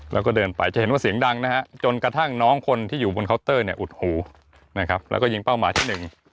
แล้วก็เดินไปจะเห็นว่าเสียงดังนะฮะจนกระทั่งน้องคนที่อยู่บนเคาน์เตอร์เนี่ยอุดหูนะครับแล้วก็ยิงเป้าหมายที่หนึ่ง